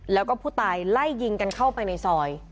แล้วก็ผู้ตายไล่ยิงกันเข้าไปในซอย